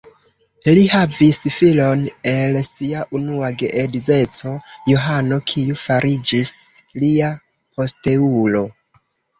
Li havis filon el sia unua geedzeco, Johano, kiu fariĝis lia posteulo.